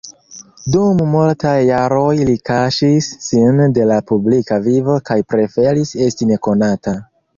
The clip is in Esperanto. Dum multaj jaroj li kaŝis sin de la publika vivo kaj preferis esti nekonata.